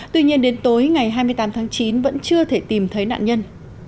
tuy nhiên đến tối ngày hai mươi tám tháng chín vẫn chưa thể tìm thấy nạn nhân